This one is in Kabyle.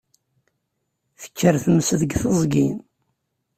Tekker tmes deg teẓgi.